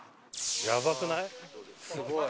やばくない？